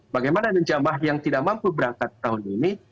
bagaimana jamaah yang tidak mampu berangkat tahun ini